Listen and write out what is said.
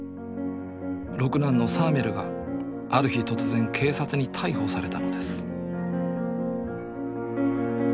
六男のサーメルがある日突然警察に逮捕されたのです